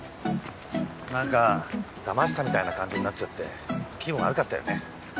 なんかだましたみたいな感じになっちゃって気分悪かったよね。